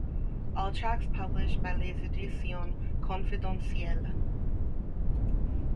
All tracks published by Les Editions Confidentielles.